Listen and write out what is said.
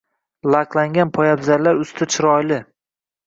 Laklangan poybzallar usti chiroyli.